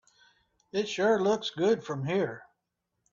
It sure looks good from here.